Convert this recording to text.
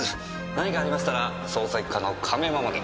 何かありましたら捜査一課の亀山まで。